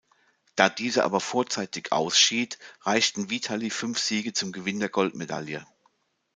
Da dieser aber vorzeitig ausschied, reichten Witali fünf Siege zum Gewinn der Goldmedaille.